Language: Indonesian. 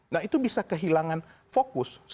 nah itu bisa kehilangan fokus